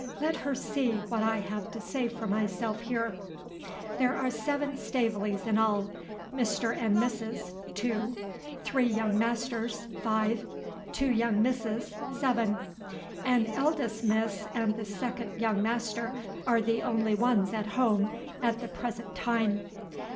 Let her see what I have to say for myself here. There are seven Staveleys in all: Mr. and Mrs. (two); three young Masters (five); two young Misses (seven). An eldest miss and the second young Master are the only ones at home at the present time.